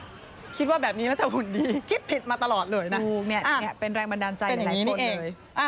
ที่ก็คิดว่าแบบนี้แล้วจะหุ่นดีคิดผิดมาตลอดเลย